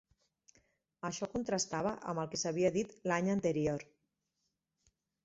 Això contrastava amb el que s'havia dit l'any anterior.